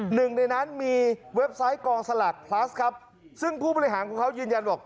หนึ่งในนั้นมีเว็บไซต์กองสลากพลัสครับซึ่งผู้บริหารของเขายืนยันบอก